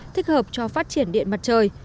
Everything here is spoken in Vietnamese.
thích hợp cho phát triển điện mặt trời